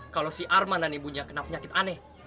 kalau si arman dan ibunya kena penyakit aneh